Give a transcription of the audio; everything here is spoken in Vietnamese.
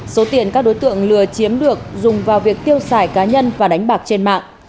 số tiền các đối tượng lừa chiếm được dùng vào việc tiêu xài cá nhân và đánh bạc trên mạng